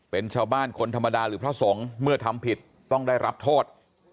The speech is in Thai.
เป็นชาวบ้านคนธรรมดาหรือพระสงฆ์เมื่อทำผิดต้องได้รับโทษ